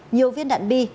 nhiều viên đạn bi